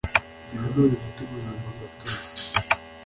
ibigo bifite ubuzimagatozi